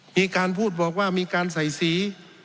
มีการพูดบอกว่ามีการใส่สี